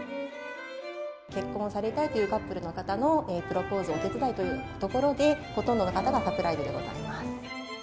結婚されたいというカップルの方のプロポーズのお手伝いというところで、ほとんどの方がサプライズでございます。